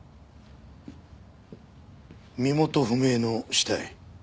身元不明の死体。